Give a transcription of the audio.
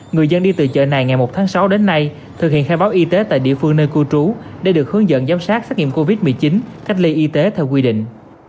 người dân đi từ chợ này ngày một tháng sáu đến nay thực hiện khai báo y tế tại địa phương nơi cư trú để được hướng dẫn giám sát xét nghiệm covid một mươi chín cách ly y tế theo quy định